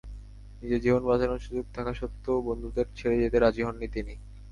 নিজের জীবন বাঁচানোর সুযোগ থাকা সত্ত্বেও বন্ধুদের ছেড়ে যেতে রাজি হননি তিনি।